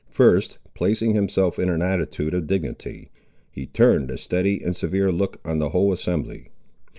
First placing himself in an attitude of dignity, he turned a steady and severe look on the whole assembly.